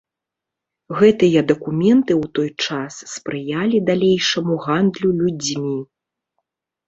Гэтыя дакументы ў той час спрыялі далейшаму гандлю людзьмі.